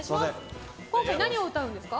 今回、何を歌うんですか？